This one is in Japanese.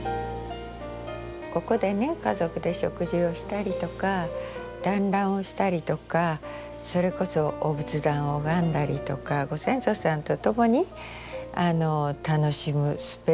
ここでね家族で食事をしたりとか団らんをしたりとかそれこそお仏壇を拝んだりとかご先祖さんとともに楽しむスペースです。